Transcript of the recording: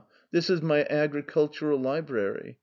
This is my agricultural library.